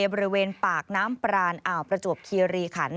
บริเวณปากน้ำปรานอ่าวประจวบคีรีขัน